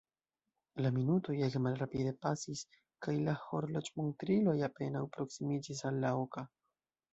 La minutoj ege malrapide pasis kaj la horloĝmontriloj apenaŭ proksimiĝis al la oka.